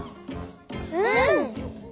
うん！